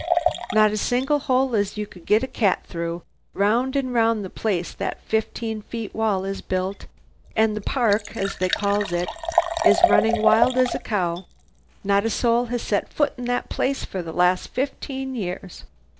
"Not a single 'ole as you could get a cat through. Round and round the place that fifteen feet wall is built, and the park, as they calls it, is running as wild as a cow. Not a soul has set foot in that place for the last fifteen years.